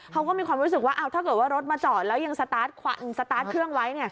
เขาก็มีความรู้สึกว่าถ้าเกิดว่ารถมาจอดแล้วยังสตาร์ทเครื่องไว้